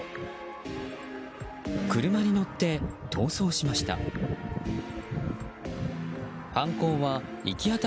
車に乗って逃走しました。